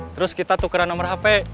terus kita tukaran nomor hp